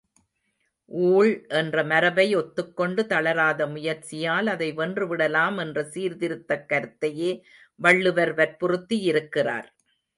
ஊழ் என்ற மரபை ஒத்துக்கொண்டு, தளராத முயற்சியால் அதை வென்று விடலாம் என்ற சீர்திருத்தக் கருத்தையே வள்ளுவர் வற்புறுத்தியிருக்கிறார்.